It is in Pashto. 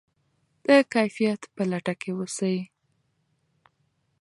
د کیفیت په لټه کې اوسئ.